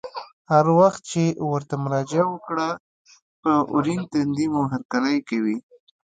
هر وخت چې ورته مراجعه وکړه په ورین تندي مو هرکلی کوي.